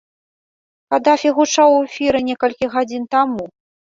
Кадафі гучаў у эфіры некалькі гадзін таму.